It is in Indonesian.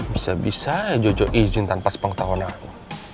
bisa bisa aja jojo izin tanpa sepang tahun aku